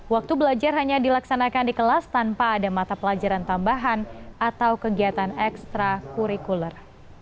waktu belajar hanya dilaksanakan di kelas tanpa ada mata pelajaran tambahan atau kegiatan ekstra kurikuler